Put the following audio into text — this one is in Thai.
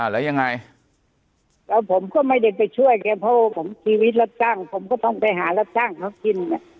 แล้วยังไงแล้วผมก็ไม่ได้ไปช่วยแกเพราะว่าผมชีวิตรับจ้างผมก็ต้องไปหารับจ้างเขากิน